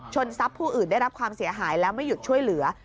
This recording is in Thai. ทรัพย์ผู้อื่นได้รับความเสียหายแล้วไม่หยุดช่วยเหลือ